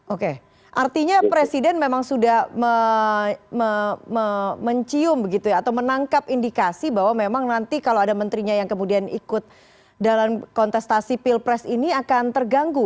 oke artinya presiden memang sudah mencium begitu ya atau menangkap indikasi bahwa memang nanti kalau ada menterinya yang kemudian ikut dalam kontestasi pilpres ini akan terganggu